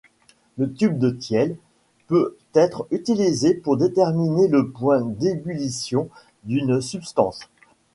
Le tube de Thiele peut être utilisé pour déterminer le point d'ébullition d'une substance.